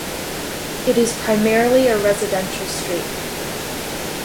It is primarily a residential street.